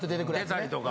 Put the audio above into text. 出たりとか。